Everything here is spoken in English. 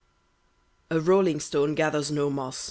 "_A Rolling Stone Gathers No Moss.